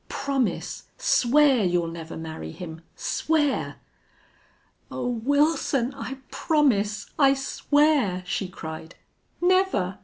Promise! Swear you'll never marry him. Swear!" "Oh, Wilson, I promise I swear!" she cried. "Never!